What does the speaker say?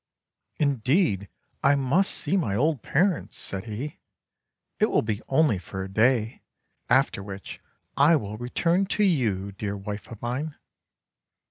"Indeed, I must see my old parents," said he. "It will be only for a day, after which I will return to you, dear wife of mine."